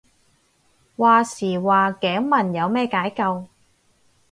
話時話頸紋有咩解救